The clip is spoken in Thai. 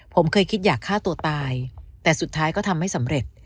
ผมเคยคิดอยากฆ่าตัวตายแต่สุดท้ายก็ทำไม่สำเร็จ